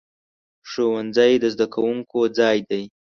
ښوونځی د زده کوونکو ځای دی.